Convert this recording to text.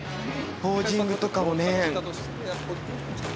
ポージングとかもね。